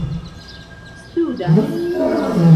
studas